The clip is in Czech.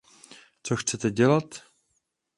Co chcete dělat?